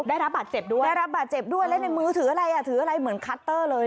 ได้รับบัตรเจ็บด้วยได้รับบัตรเจ็บด้วยและในมือถืออะไรเหมือนคัตเตอร์เลย